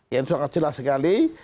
ya itu sangat jelas sekali